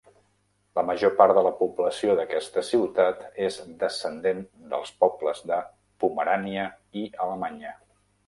La major part de la població d'aquesta ciutat és descendent dels pobles de Pomerània i Alemanya.